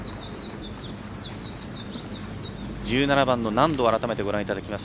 １７番の難度を改めてご覧いただきます。